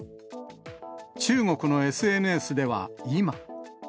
中国のＳＮＳでは、今。